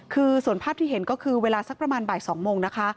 คือส่วนภาพที่เห็นก็คือเวลาสักประมาณบ่าย๒โมงนะคะ